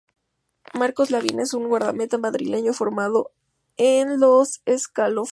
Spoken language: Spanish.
Marcos Lavín es un guardameta madrileño, formado en los escalafones inferiores del Real Madrid.